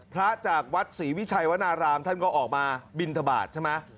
จากวัดศรีวิชัยวนารามท่านก็ออกมาบินทบาทใช่ไหม